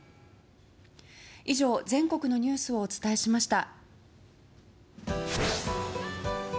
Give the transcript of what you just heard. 以上、全国のニュースをお伝えしました。